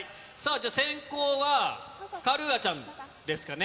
じゃあ、先行はカルーアちゃんですかね。